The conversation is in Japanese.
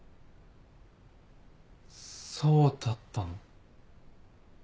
そうだったの？